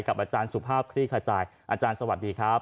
อาจารย์สุภาพคลี่ขจายอาจารย์สวัสดีครับ